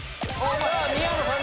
宮野さん